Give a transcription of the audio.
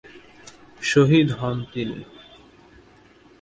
শহীদ হন তিনি।